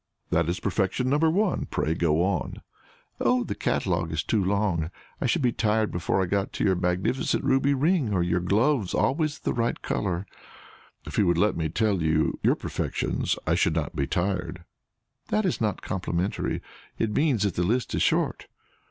"That is perfection number one. Pray go on." "Oh, the catalogue is too long I should be tired before I got to your magnificent ruby ring and your gloves always of the right color." "If you would let me tell you your perfections, I should not be tired." "That is not complimentary; it means that the list is short."